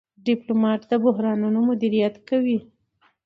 ډيپلومات د بحرانونو مدیریت کوي.